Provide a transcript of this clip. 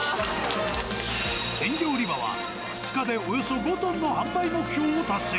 鮮魚売り場は、２日でおよそ５トンの販売目標を達成。